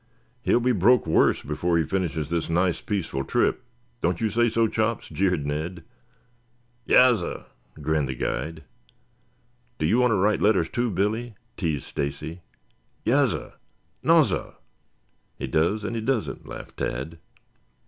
"He'll be broke worse before he finishes this nice peaceful trip. Don't you say so, Chops?" jeered Ned. "Yassir," grinned the guide. "Do you want to write letters, too, Billy?" teased Stacy. "Yassir, nassir." "He does and he doesn't," laughed Tad.